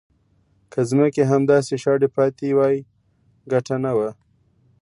که ځمکې همداسې شاړې پاتې وای ګټه نه وه.